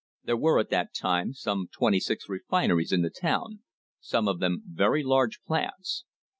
There were at that time some twenty six refineries in the town — some of them very large plants.